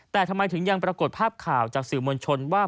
แต่ทำไมถึงยังปรากฏภาพข่าวจากสื่อมวลชนว่า